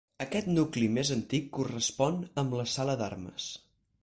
Aquest nucli més antic correspon amb la sala d'armes.